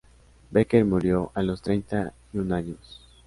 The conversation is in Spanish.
Becker murió a los treinta y un años.